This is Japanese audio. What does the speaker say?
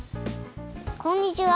こんにちは。